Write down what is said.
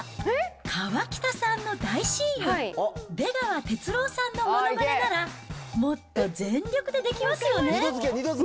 河北さんの大親友、出川哲朗さんのものまねなら、もっと全力でできますよね？